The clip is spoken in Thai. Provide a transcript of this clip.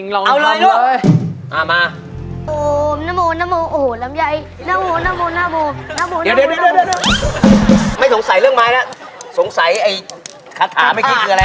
ระวังไหมล่ะสงสัยเอ๊คาถาไม่คิดคืออะไร